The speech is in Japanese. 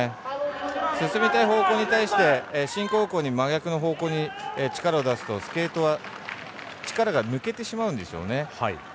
進みたい方向に対して進行方向に真逆の方向に力を出すとスケートは力が抜けてしまうんですよね。